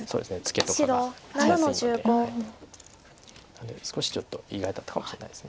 なので少しちょっと意外だったかもしれないです。